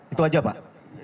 itu aja pak